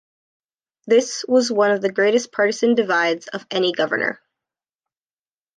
This was one of the greatest partisan divides of any governor.